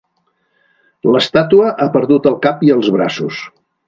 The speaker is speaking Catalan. L'estàtua ha perdut el cap i els braços.